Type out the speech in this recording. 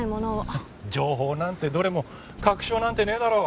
情報なんてどれも確証なんてねえだろ。